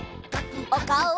おかおを！